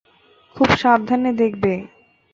খুব সাবধানে দেখবে!